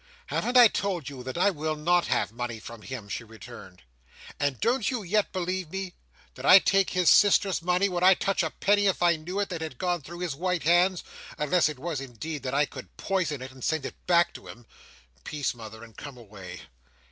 "Haven't I told you, that I will not have money from him?" she returned. "And don't you yet believe me? Did I take his sister's money? Would I touch a penny, if I knew it, that had gone through his white hands—unless it was, indeed, that I could poison it, and send it back to him? Peace, mother, and come away."